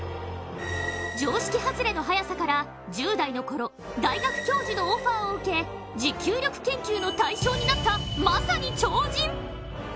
常識外れの速さから１０代のころ、大学教授のオファーを受け持久力研究の対象になったまさに超人。